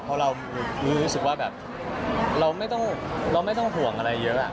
เพราะเรารู้สึกว่าแบบเราไม่ต้องห่วงอะไรเยอะ